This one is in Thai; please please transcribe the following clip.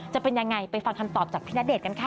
จะเป็นยังไงไปฟังคำตอบจากพี่ณเดชนกันค่ะ